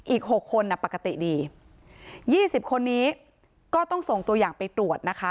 หกคนปกติดียี่สิบคนนี้ก็ต้องส่งตัวอย่างไปตรวจนะคะ